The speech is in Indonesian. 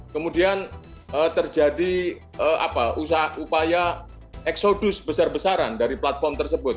kemudian terjadi upaya eksodus besar besaran dari platform tersebut